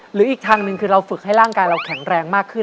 หรืออีกทางหนึ่งคือเราฝึกให้ร่างกายเราแข็งแรงมากขึ้น